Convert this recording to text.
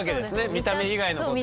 見た目以外のことを。